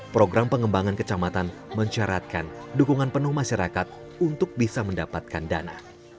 program pengembangan kecamatan mencaratkan dukungan penuh masyarakat untuk bisa mendapatkan dana